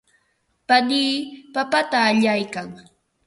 panii papata allaykan.